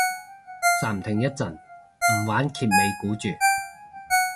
暫停一陣唔玩揭尾故住